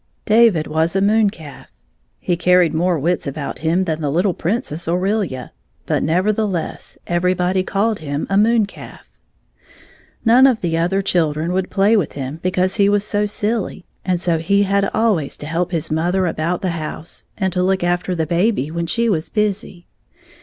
David was a moon calf. He carried more wits about him than the little Princess Aurelia, but nevertheless everybody called him a moon calf. None of the other children would play with him because he was so silly, and so he had always to help his mother about the house, and to look after the baby when she was busy.